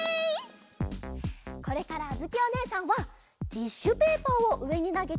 これからあづきおねえさんはティッシュペーパーをうえになげてキャッチします。